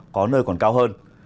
có nơi còn cao hơn